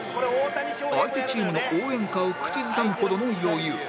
相手チームの応援歌を口ずさむほどの余裕